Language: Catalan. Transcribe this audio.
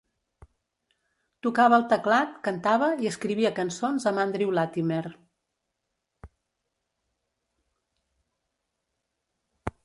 Tocava el teclat, cantava i escrivia cançons amb Andrew Latimer.